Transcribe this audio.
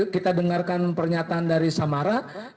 kita dengarkan pernyataan dari samara